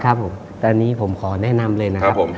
ครับผมตอนนี้ผมขอแนะนำเลยนะครับผม